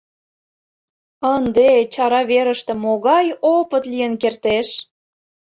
Ынде чара верыште могай опыт лийын кертеш!